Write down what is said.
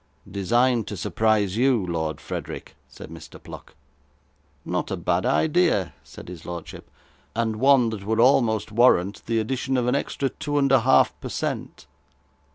'Designed to surprise you, Lord Frederick,' said Mr. Pluck. 'Not a bad idea,' said his lordship, 'and one that would almost warrant the addition of an extra two and a half per cent.